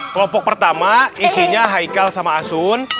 kelompok pertama isinya haikal sama asun